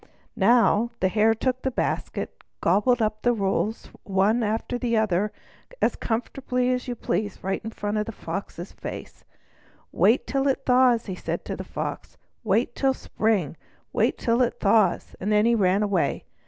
Now, the Hare took the basket and gobbled up the rolls one after the other as comfortably as you please, right before the Fox's face. "Wait till it thaws," he said to the Fox. "Wait till the spring. Wait till it thaws!" and then he ran away.